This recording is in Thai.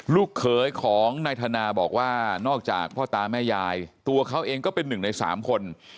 ลูกเขยของนายธนาบอกว่านอกจากพ่อตาแม่ยายตัวเขาเองก็เป็นหนึ่งในสามคน